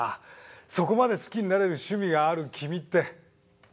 そこまで好きになれる趣味がある君ってすてきだな。